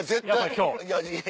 今日。